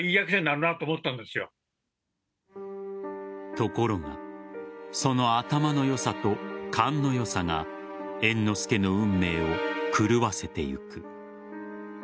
ところがその頭の良さと勘の良さが猿之助の運命を狂わせていく。